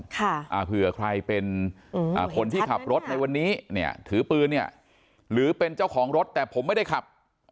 ค่ะอ่าเผื่อใครเป็นคนที่ขับรถในวันนี้เนี่ยถือปืนเนี่ยหรือเป็นเจ้าของรถแต่ผมไม่ได้ขับ